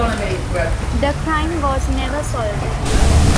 The crime was never solved.